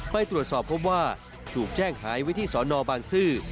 ไปตรวจสอบพบว่าถูกแจ้งหายไว้ที่สอนอบางซื่อ